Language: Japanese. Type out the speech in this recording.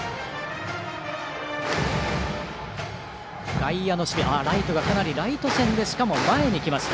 外野の守備はライトがかなりライト線でしかも前に来ました。